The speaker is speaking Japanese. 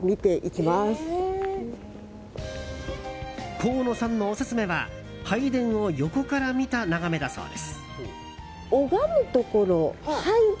河野さんのオススメは拝殿を横から見た眺めだそうです。